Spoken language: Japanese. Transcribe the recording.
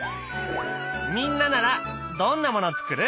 みんなならどんなもの作る？